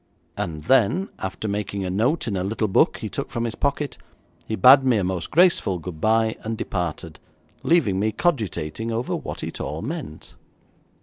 And then, after making a note in a little book he took from his pocket, he bade me a most graceful good bye and departed, leaving me cogitating over what it all meant.